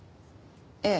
ええ。